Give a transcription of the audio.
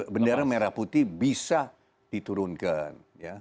bendera merah putih bisa diturunkan